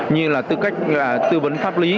như là tư vấn pháp lý